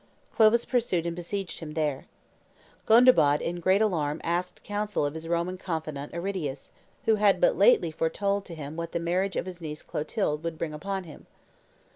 Clovis pursued and besieged him there. Gondebaud in great alarm asked counsel of his Roman confidant Aridius, who had but lately foretold to him what the marriage of his niece Clotilde would bring upon him.